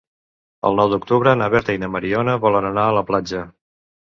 El nou d'octubre na Berta i na Mariona volen anar a la platja.